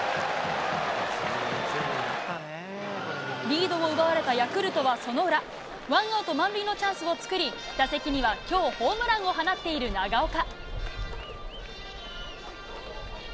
リードを奪われたヤクルトはその裏、ワンアウト満塁のチャンスを作り、打席にはきょうホームランを放っている長岡。